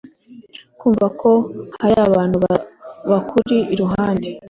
kumva ko hari abantu bakuri iruhande